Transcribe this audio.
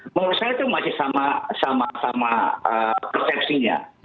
menurut saya itu masih sama sama persepsinya